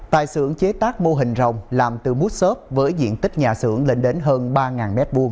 tại xưởng chế tác mô hình rồng làm từ mút xốp với diện tích nhà xưởng lên đến hơn ba m hai